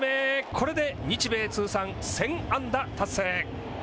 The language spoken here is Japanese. これで日米通算１０００安打達成。